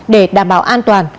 để đảm bảo an toàn